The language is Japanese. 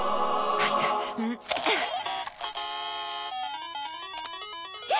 はい！